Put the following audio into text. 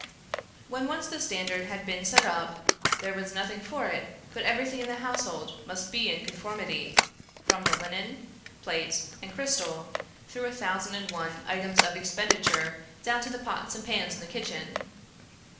When once the standard had been set up, there was nothing for it but everything in the household must be in conformity, from the linen, plate, and crystal through a thousand and one items of expenditure down to the pots and pans in the kitchen.